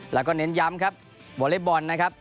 แล้วก็เน้นย้ำครับวอเล็กบอลนะครับ